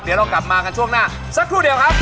เดี๋ยวเรากลับมากันช่วงหน้าสักครู่เดียวครับ